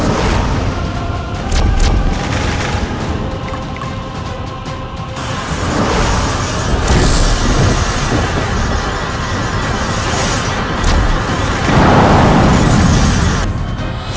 kau akan selamat